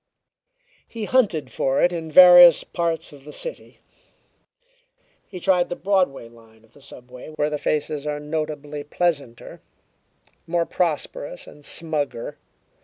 He hunted for it in various parts of the city. He tried the Broadway line of the subway where the faces are notably pleasanter, more prosperous, and smugger.